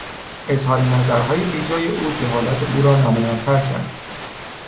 اظهار نظرهای بیجای او جهالت او را نمایانتر کرد.